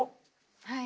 はい。